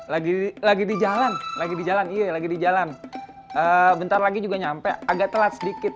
lagi lagi di jalan lagi di jalan iya lagi di jalan bentar lagi juga nyampe agak telat sedikit